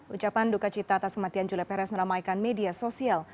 ucapan duka cita atas kematian julia perez meramaikan media sosial